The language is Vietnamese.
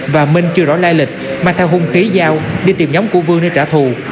và minh chưa rõ lai lịch mang theo hung khí dao đi tìm nhóm của vương để trả thù